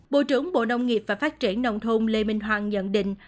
bộ trưởng bộ nông nghiệp và phát triển nông thôn lê minh hoàng nhận định